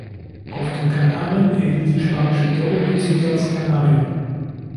Auf den Kanaren erhielt die spanische Dogge den Zusatz „Canario“.